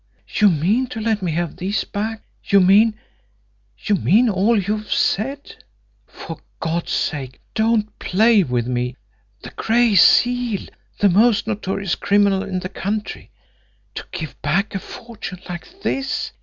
You mean to let me have these back you mean you mean all you've said? For God's sake, don't play with me the Gray Seal, the most notorious criminal in the country, to give back a fortune like this!